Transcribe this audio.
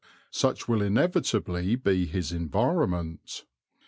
Such will inevitably be his environment.